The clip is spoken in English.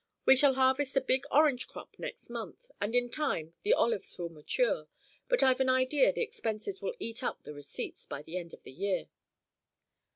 We shall harvest a big orange crop next month, and in time the olives will mature; but I've an idea the expenses will eat up the receipts, by the end of the year."